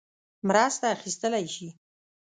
مرسته اخیستلای شي.